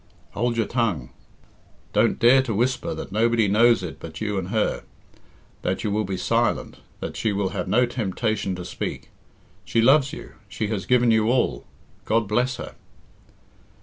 Hold your tongue. Don't dare to whisper that nobody knows it but you and heir that you will be silent, that she will have no temptation to speak. She loves you. She has given you all. God bless her!"